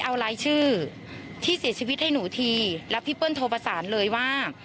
เอารายชื่อที่เสียชีวิตให้หนูทีแล้วพี่เปิ้ลโทรประสานเลยว่า